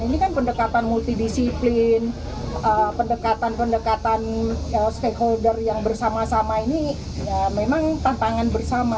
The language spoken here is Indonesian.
ini kan pendekatan multidisiplin pendekatan pendekatan stakeholder yang bersama sama ini ya memang tantangan bersama